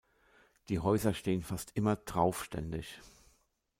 Die Häuser stehen fast immer traufständig.